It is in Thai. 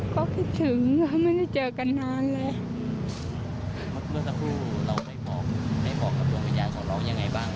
ก็คิดถึงว่าไม่ได้เจอกันนานเลย